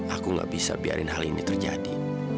aku gak bisa biarin hal ini terjadi